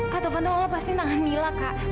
kak tovan tolong lepas tangannya kak